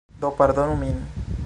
Do, pardonu min.